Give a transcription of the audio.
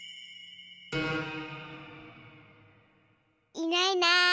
いないいない。